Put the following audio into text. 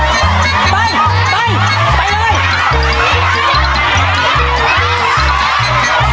ไปไป